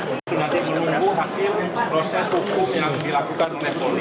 untuk nanti menunggu hasil proses hukum yang dilakukan oleh polri